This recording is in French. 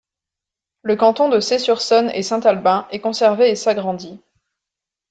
Le canton de Scey-sur-Saône-et-Saint-Albin est conservé et s'agrandit.